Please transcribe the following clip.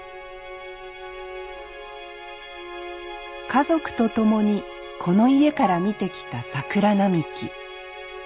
家族と共にこの家から見てきた桜並木